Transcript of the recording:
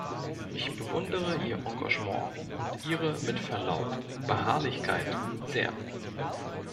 Ich bewundere Ihr Engagement und Ihre, mit Verlaub, Beharrlichkeit, sehr.